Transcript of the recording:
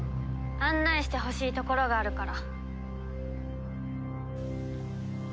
案内してほしい所があるから。